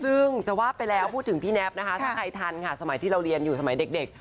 ซึ่งจะว่าไปแล้วพูดถึงพี่แนบนะคะถ้าใครทันค่ะสมัยที่เราเรียนอยู่สมัยเด็ก